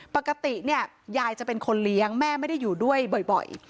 ปกติเนี่ยยายจะเป็นคนเลี้ยงแม่ไม่ได้อยู่ด้วยบ่อย